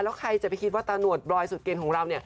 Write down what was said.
แล้วใครจะไปคิดว่าตาหนวดบรอยสุดเกณฑ์ของเรา